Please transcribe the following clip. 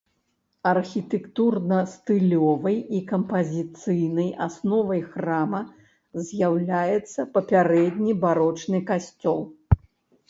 Архітэктурна-стылёвай і кампазіцыйнай асновай храма з'яўляецца папярэдні барочны касцёл.